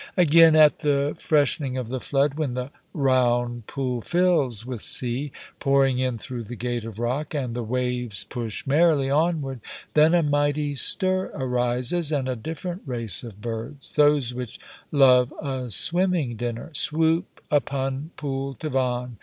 Again, at the freshening of the flood, when the round pool fills with sea (pouring in through the gate of rock), and the waves push merrily onward, then a mighty stir arises, and a different race of birds those which love a swimming dinner swoop upon Pool Tavan.